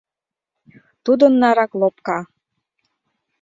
Тудын нарак лопка.